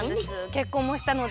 結婚もしたので。